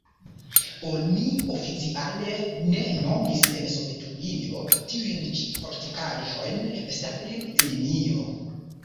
Oni oficiale ne nomis en Sovetunio tiujn ĉi fortikaĵojn Stalin-linio.